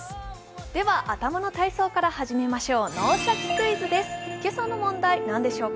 では頭の体操から始めましょう。